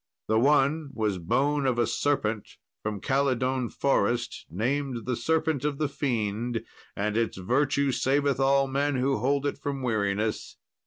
The one was bone of a serpent from Calidone forest, named the serpent of the fiend; and its virtue saveth all men who hold it from weariness.